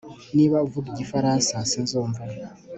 Niba uvuga igifaransa sinzumva